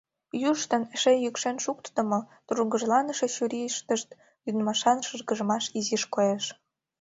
Южыштын эше йӱкшен шуктыдымо, тургыжланыше чурийштышт лӱдмашан шыргыжмаш изиш коеш...